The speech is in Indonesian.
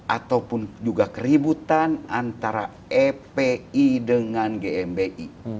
ataupun juga keributan antara epi dengan gmbi